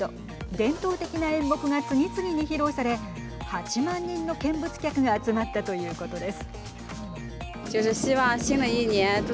伝統的な演目が次々に披露され８万人の見物客が集まったということです。